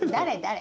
誰？